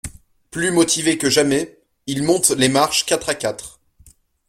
Plus motivé que jamais, il monte les marches quatre à quatre.